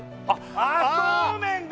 あっそうめんだ！